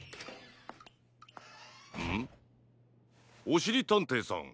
おしりたんていさん。